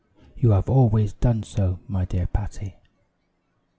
You have always done so, my dear Patty.